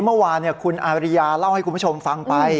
เมื่อวานคุณอาริยาเล่าให้คุณผู้ชมฟังไป